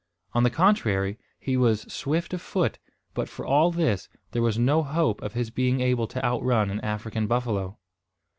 On the contrary, he was swift of foot; but, for all this, there was no hope of his being able to outrun an African buffalo.